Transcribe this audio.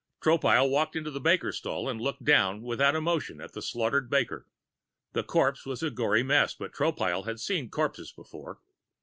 Tropile walked into the baker's stall and looked down without emotion at the slaughtered baker. The corpse was a gory mess, but Tropile had seen corpses before.